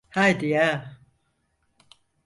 Haydi ya!